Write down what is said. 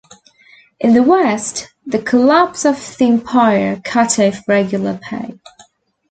In the west, the collapse of the empire cut off regular pay.